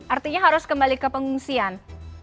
artinya harus kembali ke pengungsian